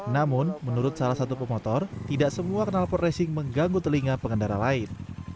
namun menurut salah satu pemotor tidak semua kenalpot racing mengganggu telinga pengendara lain